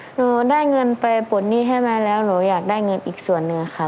หนูได้เงินไปปลดหนี้ให้แม่แล้วหนูอยากได้เงินอีกส่วนหนึ่งค่ะ